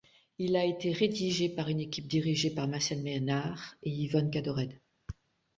Il a été rédigé par une équipe dirigée par Martial Ménard et Iwan Kadored.